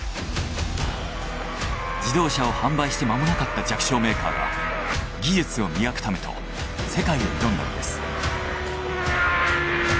自動車を販売して間もなかった弱小メーカーが技術を磨くためと世界へ挑んだのです。